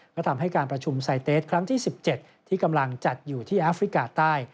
ก็ทำให้การประชุมไซเตสครั้งที่๑๗ที่กำลังจัดอยู่ที่แอฟริกาใต้